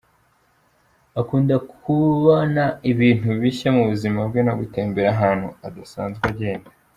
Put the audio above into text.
Akunda kubona ibintu bishya mu buzima bwe no gutembera ahantu adasanzwe agenda.